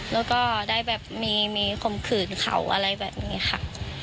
แล้วก็ได้แบบมีข่มขืนเขาอะไรแบบนี้ค่ะ